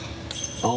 ああ。